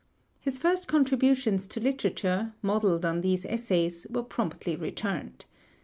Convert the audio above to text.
His first contributions to literature, modeled on these essays, were promptly returned.